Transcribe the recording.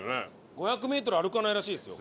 ５００メートル歩かないらしいですよ。